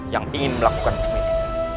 yang ingin melakukan semedi